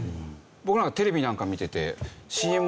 僕テレビなんか見てて。